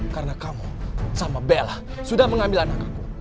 karena kamu sama bella sudah mengambil anak aku